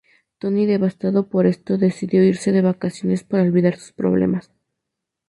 Tony devastado por esto decidió irse de vacaciones para olvidar sus problemas.